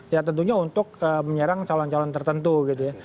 ya tentunya untuk menyerang calon calon tertentu gitu ya